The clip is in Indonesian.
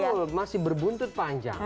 betul masih berbuntut panjang